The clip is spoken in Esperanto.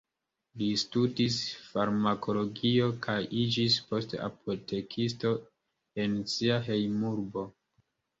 Li studis farmakologio kaj iĝis poste apotekisto en sia hejmurbo.